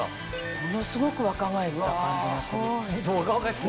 ものすごく若返った感じがする。